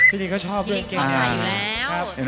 พี่ลิงก็ชอบเรื่องเกง